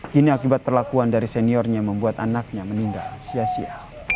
kini akibat perlakuan dari seniornya membuat anaknya meninggal sia sia